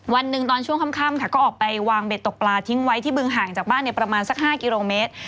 วันหนึ่งตอนช่วงค่ำค่ะก็ออกไปวางเบ็ดตกปลาทิ้งไว้ที่บึงห่างจากบ้านประมาณสัก๕กิโลเมตร